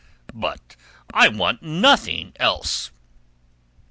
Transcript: "But I want nothing else."